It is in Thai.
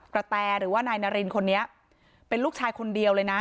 แตหรือว่านายนารินคนนี้เป็นลูกชายคนเดียวเลยนะ